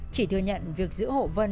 chỉ thừa nhận việc giữ hộ vân